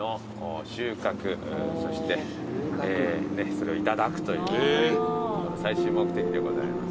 それをいただくという最終目的でございます。